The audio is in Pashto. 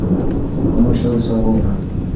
خاموشه اوسه او واوره.